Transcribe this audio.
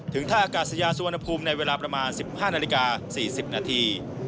ท่าอากาศยานสุวรรณภูมิในเวลาประมาณ๑๕นาฬิกา๔๐นาที